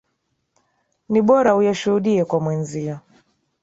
Ni bora uyashuhudie kwa mwenzio.